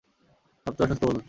ভাবতেই অসুস্থ বোধ হচ্ছে।